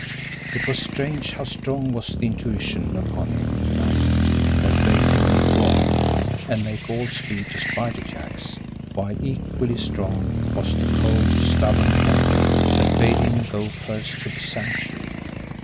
It was strange how strong was the intuition upon him to night that bade him go on and make all speed to Spider Jack's while equally strong was the cold, stubborn logic that bade him go first to the Sanctuary.